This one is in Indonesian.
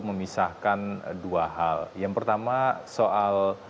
memisahkan dua hal yang pertama soal